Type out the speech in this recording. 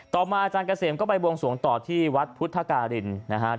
ต่อมาอาจารย์เกษมก็ไปบวงสวงต่อที่วัดพุทธการินนะครับ